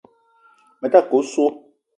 Me ta ke osso.